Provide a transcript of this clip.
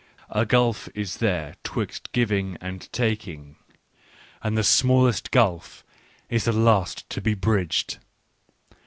A gulf is there 'twixt giving and tak ing ; and the smallest gulf is the last to be bridged.